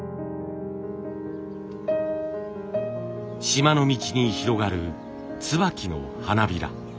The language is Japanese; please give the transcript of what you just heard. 島の道に広がる椿の花びら。